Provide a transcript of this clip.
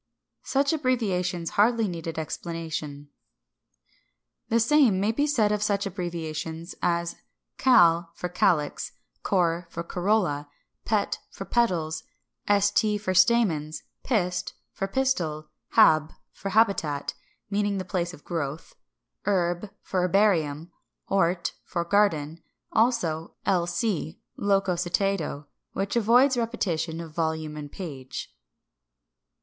Such abbreviations hardly need explanation. 583. The same may be said of such abbreviations as Cal. for calyx, Cor. for corolla, Pet. for petals, St. for stamens, Pist. for pistil, Hab. for habitat, meaning place of growth, Herb. for herbarium, Hort. for garden. Also l. c., loco citato, which avoids repetition of volume and page.